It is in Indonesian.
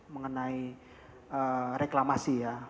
mengenai reklamasi ya